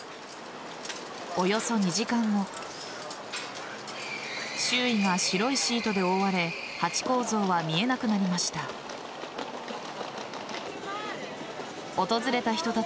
およそ２時間後周囲が白いシートで覆われハチ公像は見えなくなりました。